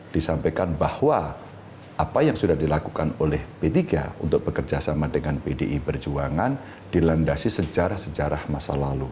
disampaikan bahwa apa yang sudah dilakukan oleh p tiga untuk bekerjasama dengan pdi perjuangan dilandasi sejarah sejarah masa lalu